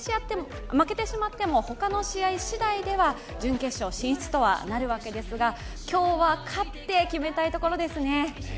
負けてしまっても他の試合しだいでは準決勝進出とはなるわけですが今日は勝って決めたいところですね。